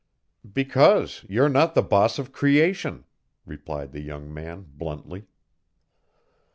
"Because you're not the boss of creation," replied the young man, bluntly.